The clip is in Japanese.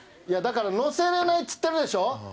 いやだから乗せれないっつってるでしょ